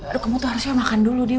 aduh kamu tuh harusnya makan dulu deh